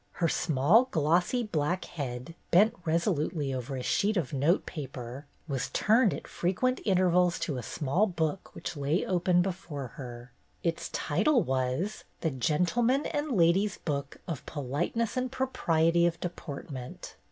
Her small glossy black head, bent resolutely over a sheet of notepaper, was turned at frequent intervals to a small book which lay open before her. Its title was "The Gentleman and Lady's Book of Politeness and Propriety of Deportment."